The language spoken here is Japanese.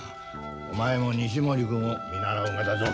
お前も西森くんを見習うがだぞ。